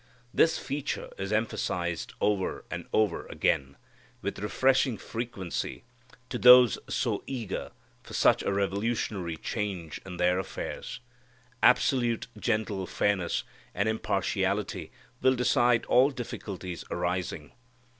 This feature is emphasized over and over again, with refreshing frequency to those so eager for such a revolutionary change in their affairs. Absolute gentle fairness and impartiality will decide all difficulties arising.